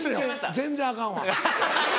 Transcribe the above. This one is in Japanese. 全然アカンわ。